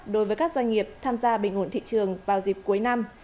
đối với các doanh nghiệp tham gia bình ổn thị trường vào dịp cuối năm